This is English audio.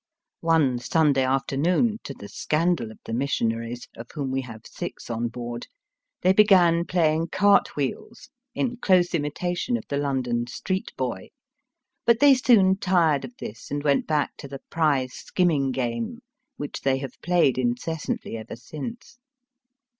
One Sunday afternoon, to the scandal of the missionaries, of whom we have six on board, they began playing " cart wheels," in close imitation of the London street boy ; but they soon tired of this, and went back to the prize skimming game, which they have played incessantly ever since.